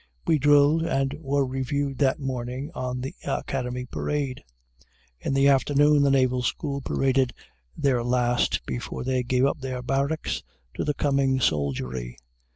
We drilled and were reviewed that morning on the Academy parade. In the afternoon the Naval School paraded their last before they gave up their barracks to the coming soldiery.